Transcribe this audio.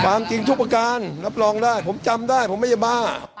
ความจริงทุกประการรับรองได้ผมจำได้ผมไม่ได้บ้า